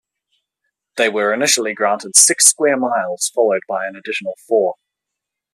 They were initially granted six square miles, followed by an additional four.